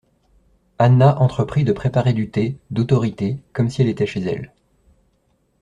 Anna entreprit de préparer du thé, d’autorité, comme si elle était chez elle.